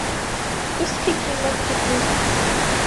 اس کی قیمت کتنی ہے